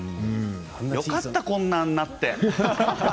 よかった、こんなんなって。